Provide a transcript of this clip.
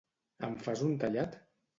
Em fas un tallat?